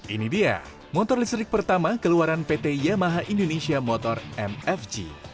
ini dia motor listrik pertama keluaran pt yamaha indonesia motor mfg